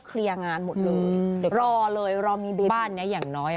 เคลียร์งานหมดเลยรอเลยรอมีเบบีบ้านเนี้ยอย่างน้อยอ่ะ